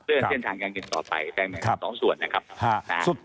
เพื่อเส้นทางการเงินต่อไปใช่ไหมครับ๒ส่วนนะครับ